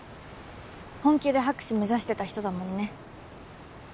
本気で博士目指してた人だもんね。